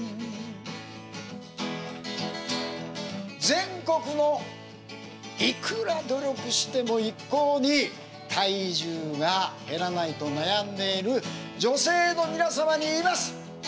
全国のいくら努力しても一向に体重が減らないと悩んでいる女性の皆様に言います！